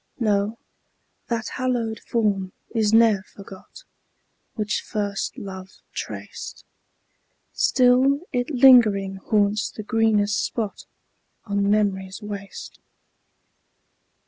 No, that hallowed form is ne'er forgot Which first love traced; Still it lingering haunts the greenest spot On memory's waste.